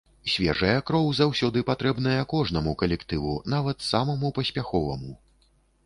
Свежая кроў заўсёды патрэбная кожнаму калектыву, нават самаму паспяховаму.